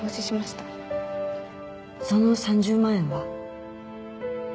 その３０万円は？